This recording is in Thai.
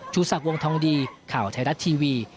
สักวงทองดีข่าวไทยรัฐทีวี